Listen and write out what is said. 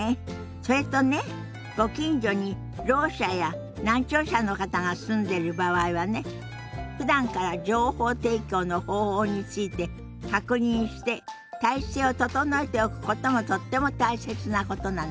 それとねご近所にろう者や難聴者の方が住んでる場合はねふだんから情報提供の方法について確認して体制を整えておくこともとっても大切なことなのよ。